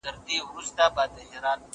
مرسته وکړه،